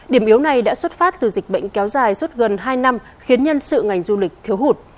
điểm yếu này đã xuất phát từ dịch bệnh kéo dài suốt gần hai năm khiến nhân sự ngành du lịch thiếu hụt